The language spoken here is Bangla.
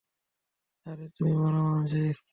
আরে তুমি মরা মানুষের স্ত্রী।